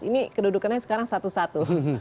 ini kedudukannya sekarang satu satu